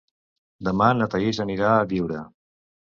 Demà na Thaís anirà a Biure.